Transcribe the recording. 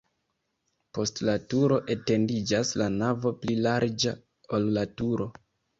Post la turo etendiĝas la navo pli larĝa, ol la turo.